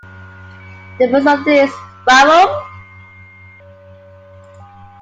The first of these, Warum?